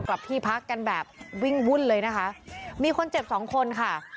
กลับที่พักกันแบบวิ่งวุ่นเลยนะคะมีคนเจ็บสองคนค่ะ